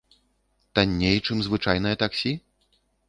Танней, чым звычайнае таксі?